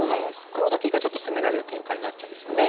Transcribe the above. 黒だけがちょっと攻められる展開になっちゃいますよね。